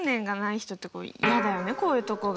こういうとこが。